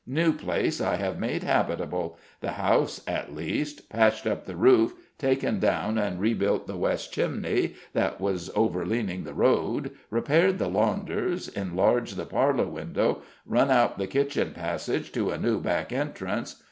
New Place I have made habitable the house at least; patched up the roof, taken down and rebuilt the west chimney that was overleaning the road, repaired the launders, enlarged the parlour window, run out the kitchen passage to a new back entrance.